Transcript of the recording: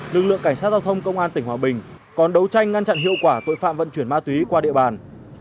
lực lượng cảnh sát giao thông công an tỉnh hòa bình còn đấu tranh ngăn chặn hiệu quả tội phạm vận chuyển ma túy qua địa bàn